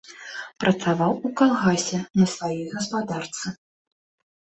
Працаваў у калгасе, на сваёй гаспадарцы.